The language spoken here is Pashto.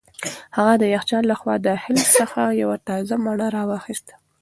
هغه د یخچال له داخل څخه یوه تازه مڼه را واخیسته.